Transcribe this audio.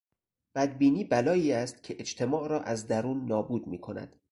بدبینی بلایی است که اجتماع را از درون نابود میکند.